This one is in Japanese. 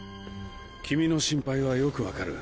君の心配はよく分かる。